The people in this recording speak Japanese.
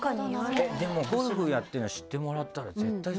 でもゴルフやってるの知ってもらったら絶対誘って。